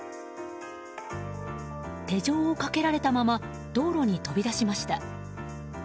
手錠をかけられたまま道路に飛び出しました。